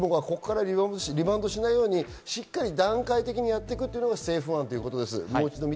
リバウンドしないようにしっかり段階的にやっていくというのが政府案ということです。